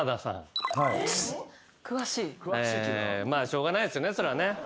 しょうがないですよねそれはね。